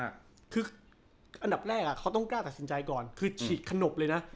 คืออันดับแรกเขาต้องกล้าตัดสินใจก่อนคือฉีกขนบเลยนะ